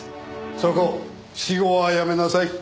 そこ私語はやめなさい。